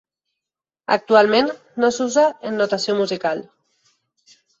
Actualment no s'usa en notació musical.